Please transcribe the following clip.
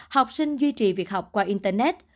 học sinh duy trì việc học qua internet